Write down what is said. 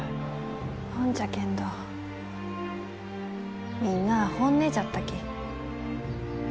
ほんじゃけんどみんなあ本音じゃったき。